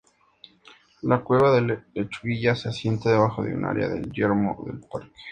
La cueva de Lechuguilla se asienta debajo de un área del yermo del parque.